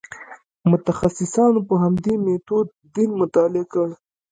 متخصصانو په همدې میتود دین مطالعه کړ.